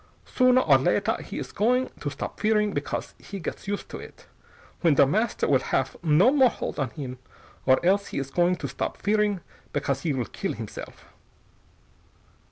Sooner or later he is going to stop fearing because he gets used to it when Der Master will haff no more hold on him or else he is going to stop fearing because he will kill himself."